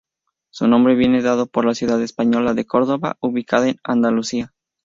Su nombre viene dado por la ciudad española de Córdoba, ubicada en Andalucía.